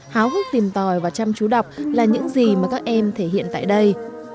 háo hức tìm tòi và chăm chú đọc là những gì mà các em thể hiện tại đây